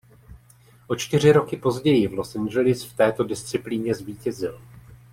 O čtyři roky později v Los Angeles v této disciplíně zvítězil.